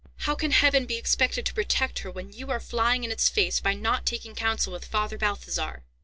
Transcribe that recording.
"How can Heaven be expected to protect her when you are flying in its face by not taking counsel with Father Balthazar?"